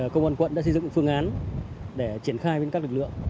công an quận đã xây dựng phương án để triển khai với các lực lượng